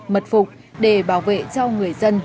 mật phục để bảo vệ cho người dân